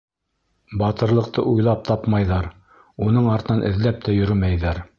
Батырлыҡты уйлап тапмайҙар, уның артынан эҙләп тә йөрөмәйҙәр.